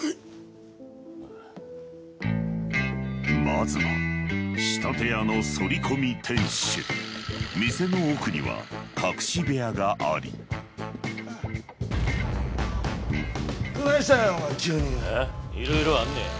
まずは仕立て屋のソリコミ店主店の奥には隠し部屋がありどないしたんや？